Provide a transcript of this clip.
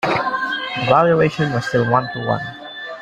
The valuation was still one-to-one.